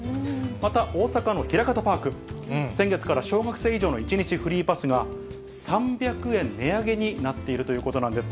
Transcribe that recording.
また、大阪のひらかたパーク、先月から小学生以上の１日フリーパスが、３００円値上げになっているということなんです。